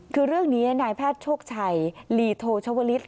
คือเรื่องนี้นายแพทย์โชคชัยลีโทชวลิศ